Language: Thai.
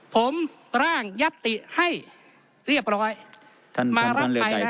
ผมร่างยัตติให้เรียบร้อยมารับไปนะครับ